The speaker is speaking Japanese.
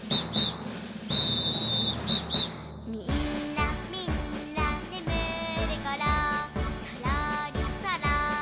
「みんなみんなねむるころそろりそろりでかけよう」